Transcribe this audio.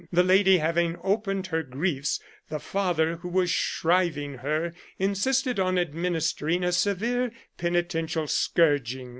The lady having opened her griefs, the father who was shriving her insisted on administering a severe penitential scourging.